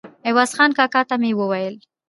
عوض خان کاکا ته مې وویل.